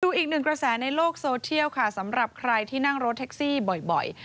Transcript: อีกหนึ่งกระแสในโลกโซเชียลค่ะสำหรับใครที่นั่งรถแท็กซี่บ่อย